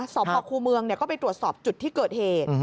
สพครูเมืองก็ไปตรวจสอบจุดที่เกิดเหตุ